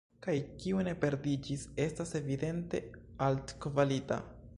Kaj kiu ne perdiĝis, estas evidente altkvalita.